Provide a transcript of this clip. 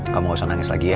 kamu gak usah nangis lagi ya